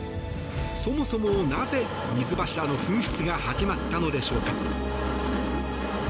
そもそもなぜ、水柱の噴出が始まったのでしょうか。